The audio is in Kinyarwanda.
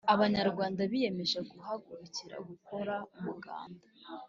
abanyarwanda biyemeje guhagurukira gukora umuganda.